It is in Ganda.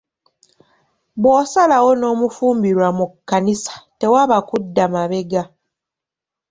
Bw’osalawo n’omufumbirwa mu kkanisa tewaba kudda mabega.